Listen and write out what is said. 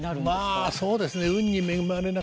まあそうですね。